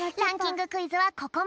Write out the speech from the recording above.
クイズはここまで！